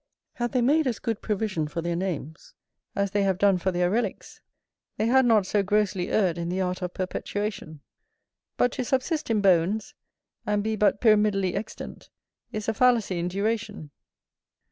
Had they made as good provision for their names, as they have done for their relicks, they had not so grossly erred in the art of perpetuation. But to subsist in bones, and be but pyramidally extant, is a fallacy in duration.